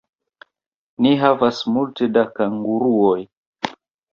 Ni havas multe da kanguruoj